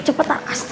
sobri itu pak isra